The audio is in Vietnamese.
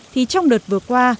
thì trong đợt vừa qua